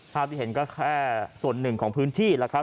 ที่เห็นก็แค่ส่วนหนึ่งของพื้นที่แล้วครับ